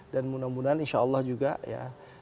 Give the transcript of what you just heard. dan mudah mudahan insya allah juga ya